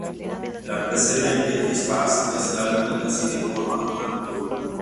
La precede "Empty Spaces" en el álbum, y la sigue "One of My Turns".